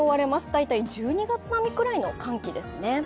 大体１２月並みくらいの寒気ですね。